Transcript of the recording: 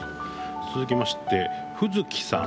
続きまして、フヅキさん。